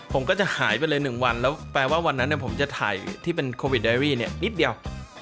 ผมก็จะหายไปเลย๑วันแล้วแปลว่าวันนั้นผมจะถ่ายที่เป็นโควิดไอรี่เนี่ยนิดเดียว